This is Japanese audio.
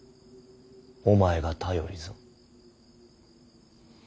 お前が頼りぞ。